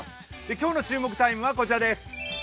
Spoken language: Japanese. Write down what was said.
今日の注目タイムはこちらです。